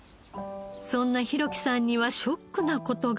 そんな弘貴さんにはショックな事が。